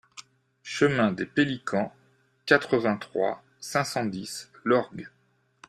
Chemin des Peliquant, quatre-vingt-trois, cinq cent dix Lorgues